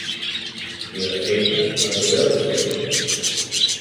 I la feina, la podeu fer?